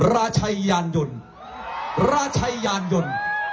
ราชายานยล